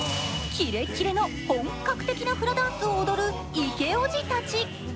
キレッキレの本格的なフラダンスを踊るイケオジたち。